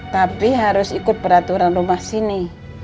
tapi harus ikut peraturan rumah sini